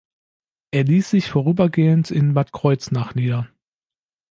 Er ließ sich vorübergehend in Bad Kreuznach nieder.